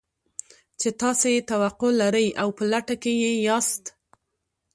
چې تاسې يې توقع لرئ او په لټه کې يې ياست.